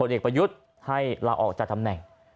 ทวดเอกประยุทธ์ครั้งนั้นได้ละออกจากแบบนั้นนี่